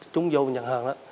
trúng dâu nhận hàng